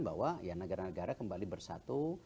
bahwa ya negara negara kembali bersatu